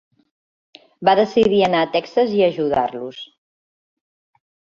Va decidir anar a Texas i ajudar-los.